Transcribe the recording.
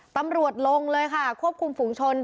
ตำรวจลงเลยค่ะควบคุมฝุงชน